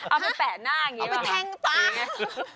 เอาไปแปะหน้าอย่างนี้หรือเปล่าครับเอาไปแทงตา